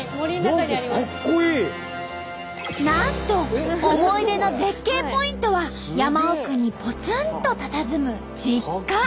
なんと思い出の絶景ポイントは山奥にぽつんとたたずむ実家！